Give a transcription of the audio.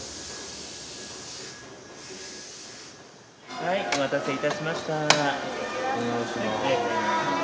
はいお待たせいたしました。